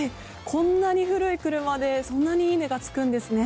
こんなに古い車でそんなにいい値が付くんですね。